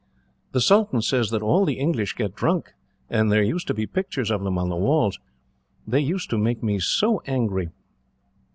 "The sultan says that all the English get drunk, and there used to be pictures of them on the walls. They used to make me so angry."